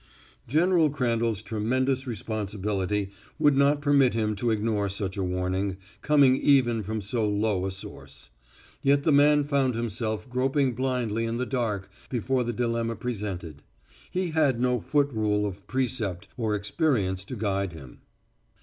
General Crandall's tremendous responsibility would not permit him to ignore such a warning, coming even from so low a source. Yet the man found himself groping blindly in the dark before the dilemma presented; he had no foot rule of precept or experience to guide him.